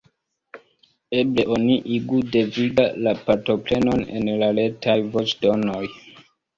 Eble oni igu deviga la partoprenon en la Retaj voĉdonoj.